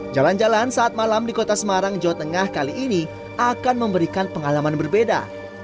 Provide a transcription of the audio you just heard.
jalan jalan saat malam di kota semarang jawa tengah kali ini akan memberikan pengalaman berbeda